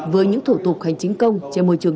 với những thủ tục hành chính công trên môi trường